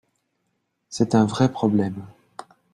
C’est un vrai problème.